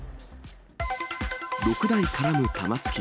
６台絡む玉突き。